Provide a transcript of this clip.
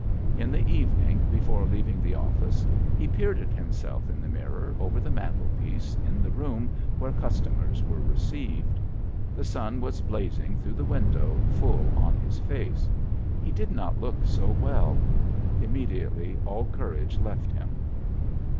In the evening before leaving the office he peered at himself in the mirror over the mantlepiece in the room where customers were received. The sun was blazing through the window full on his face. He did not look so well. Immediately all courage left him.